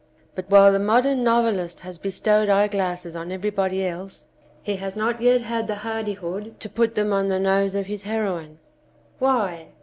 But while the modern novelist has bestowed eyeglasses on every body else he has not yet had the hardihood to put them on the nose of his heroine. Why?